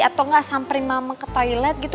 atau nggak samperin mama ke toilet gitu